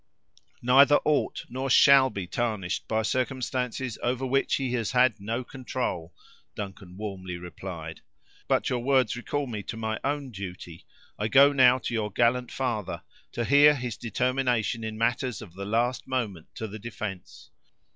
"Neither ought nor shall be tarnished by circumstances over which he has had no control," Duncan warmly replied. "But your words recall me to my own duty. I go now to your gallant father, to hear his determination in matters of the last moment to the defense.